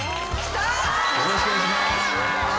よろしくお願いします。